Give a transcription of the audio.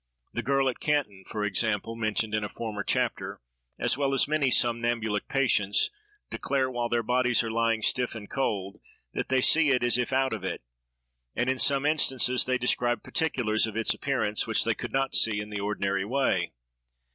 The girl at Canton, for example, mentioned in a former chapter, as well as many somnambulic patients, declare, while their bodies are lying stiff and cold, that they see it, as if out of it; and, in some instances, they describe particulars of its appearance, which they could not see in the ordinary way.